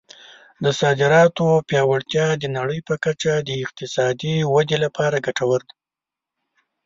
د صادراتو پیاوړتیا د نړۍ په کچه د اقتصادي ودې لپاره ګټور دی.